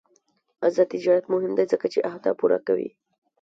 آزاد تجارت مهم دی ځکه چې اهداف پوره کوي.